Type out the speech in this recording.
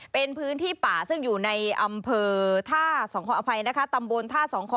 เป็นพื้นที่ป่าซึ่งอยู่ในอำเภอท่าสองคอน